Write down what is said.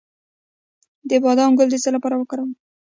د بادام ګل د څه لپاره وکاروم؟